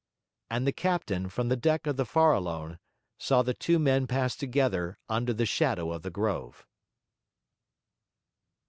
And the captain, from the deck of the Farallone, saw the two men pass together under the shadow of the grove.